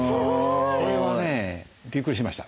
それはねびっくりしました。